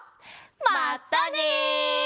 まったね！